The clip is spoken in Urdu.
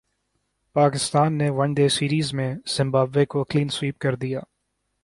پاکستان نے ون ڈے سیریز میں زمبابوے کو کلین سوئپ کردیا